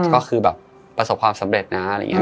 ก็คือแบบประสบความสำเร็จนะอะไรอย่างนี้